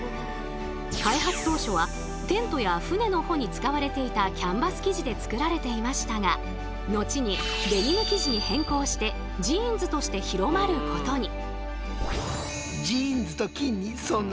開発当初はテントや船の帆に使われていたキャンバス生地で作られていましたが後にデニム生地に変更してジーンズとして広まることに。